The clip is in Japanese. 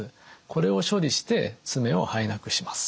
これを処理して爪を生えなくします。